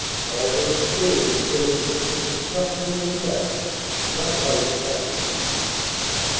All her experience had been of sickness and suffering and death, not life and happiness.